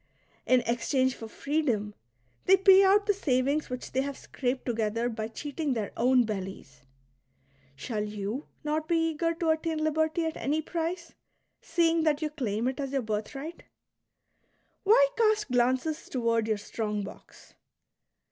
'' In exchange for freedom they pay out the savings which they have scraped together by cheating their own bellies ; shall ipu not be eager to attain liberty at any price, seeing that you claim it as your birthright } Why cast glances toward your strong box?